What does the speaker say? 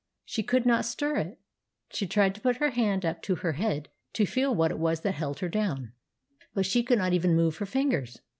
She could not stir it. She tried to put her hand up to her head to feel what it was that held her down ; but she could not even move her fingers.